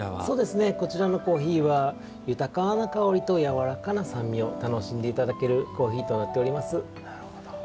そうですねこちらのコーヒーは豊かな香りとやわらかな酸味を楽しんで頂けるコーヒーとなっております。